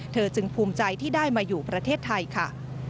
จึงภูมิใจที่ได้มาอยู่ประเทศไทยค่ะ